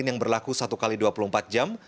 yang berlaku satu x dua puluh empat jam